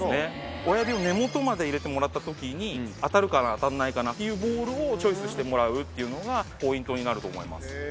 親指を根元まで入れてもらったときに当たるかな当たらないかなっていうボールをチョイスしてもらうっていうのがポイントになると思います。